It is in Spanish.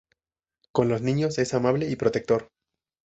Con los niños es amable y protector.